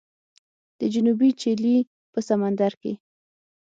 د جنوبي چیلي په سمندر کې